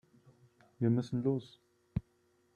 Wir müssen los.